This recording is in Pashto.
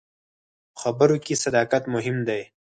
په خبرو کې صداقت مهم دی.